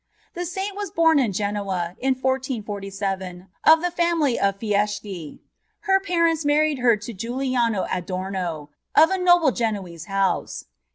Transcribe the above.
"f The Saint was born in Genoa, in 1447, of the family of Fieschi. Her parents married her to Giuliano Adomo, of a noble Genoese house.